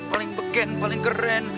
paling beken paling keren